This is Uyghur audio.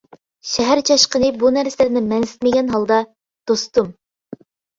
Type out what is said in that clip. شەھەر چاشقىنى بۇ نەرسىلەرنى مەنسىتمىگەن ھالدا :-دوستۇم.